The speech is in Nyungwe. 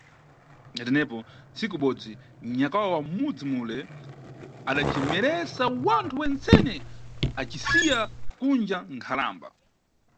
Na tenepo, ntsiku ibodzi, nyakwawa wa m`mudzi mule adacemeresa wanthu wentsene acisiya kunja nkhalamba.